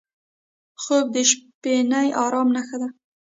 خوب د شپهني ارام نښه ده